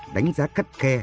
đánh giá cắt khe